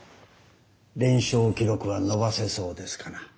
連勝記録は伸ばせそうですかな？